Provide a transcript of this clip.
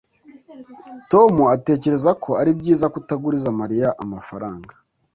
tom atekereza ko ari byiza kutaguriza mariya amafaranga